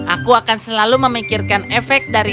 aku akan selalu memikirkan efek dari